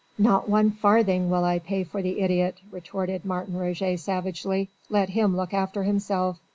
"Not one farthing will I pay for the idiot," retorted Martin Roget savagely. "Let him look after himself."